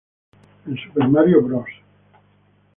En Super Mario Bros.